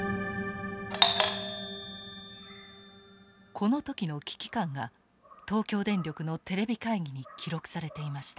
この時の危機感が東京電力のテレビ会議に記録されていました。